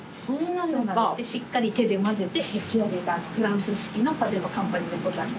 しっかり手で混ぜて焼き上げたフランス式のパテ・ド・カンパーニュでございます。